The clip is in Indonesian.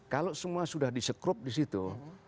kalau semua sudah disekrup disitu